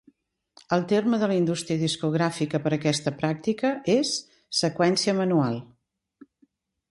El terme de la indústria discogràfica per aquesta pràctica és seqüència manual.